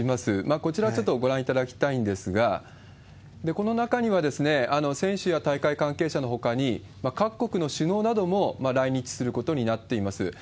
こちら、ちょっとご覧いただきたいんですが、この中には選手や大会関係者のほかに、各国の首脳なども来日することになっています。